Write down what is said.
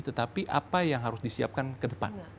tetapi apa yang harus disiapkan ke depan